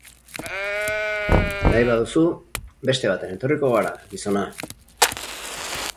Nahi baduzu, beste batean etorriko gara, gizona...